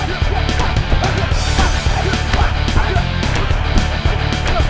tuhan tidak mau berhubung